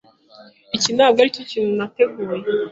Iki ntabwo aricyo kintu nateguye.